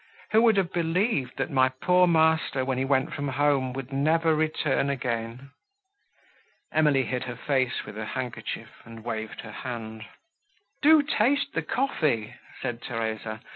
Who would have believed, that my poor master, when he went from home, would never return again!" Emily hid her face with her handkerchief, and waved her hand. "Do taste the coffee," said Theresa.